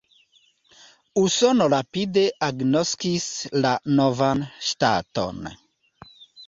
Usono rapide agnoskis la novan ŝtaton.